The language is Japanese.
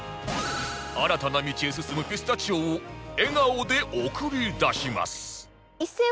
新たな道へ進むピスタチオを笑顔で送り出します